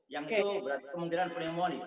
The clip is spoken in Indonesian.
yang itu berarti kemungkinan pneumoni